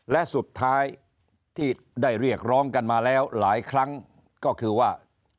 และสุดท้ายที่ได้เรียกร้องกันมาแล้วหลายครั้งก็คือว่า